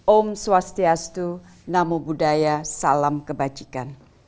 om swastiastu namo buddhaya salam kebajikan